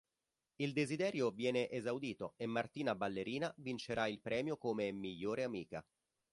Il desiderio viene esaudito e Martina Ballerina vincerà il premio come "migliore amica".